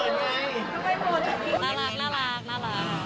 น่ารักน่ารักน่ารัก